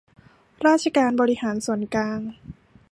ราชการบริหารส่วนกลาง